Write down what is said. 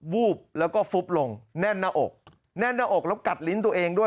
วูบแล้วก็ฟุบลงแน่นหน้าอกแน่นหน้าอกแล้วกัดลิ้นตัวเองด้วย